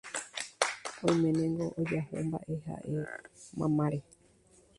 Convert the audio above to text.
oiménengo ojahúmba'e ha'e mamáre